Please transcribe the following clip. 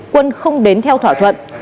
quân không đến theo thỏa thuận